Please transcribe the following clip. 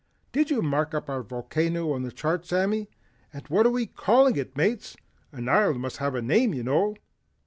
"Did you mark up our volcano on the chart Sammy, and what are we calling it Mates? An island must have a name you know."